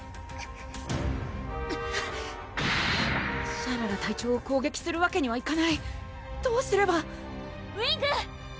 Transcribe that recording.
シャララ隊長を攻撃するわけにはいかないどうすれば・ウィング！